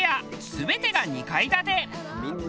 全てが２階建て。